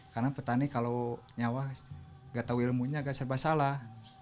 karena petani kalau nyawa gak tahu ilmunya agak serba salah